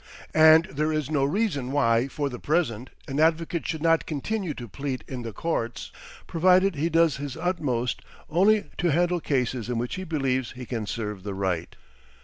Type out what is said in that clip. And there is no reason why for the present an advocate should not continue to plead in the courts, provided he does his utmost only to handle cases in which he believes he can serve the right.